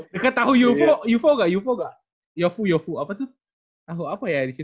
deket tahu yufo gak yufo gak yofu yofu apa tuh tahu apa ya disitu